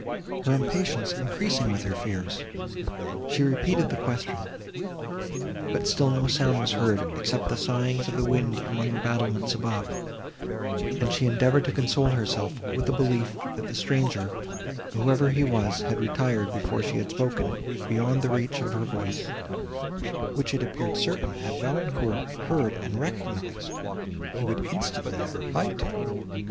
Her impatience increasing with her fears, she repeated the question; but still no sound was heard, except the sighings of the wind among the battlements above; and she endeavoured to console herself with a belief, that the stranger, whoever he was, had retired, before she had spoken, beyond the reach of her voice, which, it appeared certain, had Valancourt heard and recognised, he would instantly have replied to.